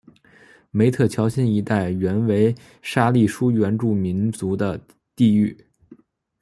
梅特乔辛一带原为沙利殊原住民族的地域。